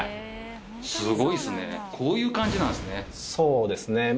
すごいっすね、こういう感じそうですね。